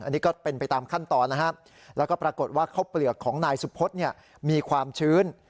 อันนี้ก็เป็นไปตามขั้นตอนนะครับแล้วก็ปรากฏว่าข้าวเปลือกของนายสุพธเนี่ยมีความชื้น